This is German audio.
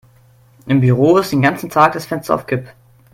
Im Büro ist den ganzen Tag das Fenster auf Kipp.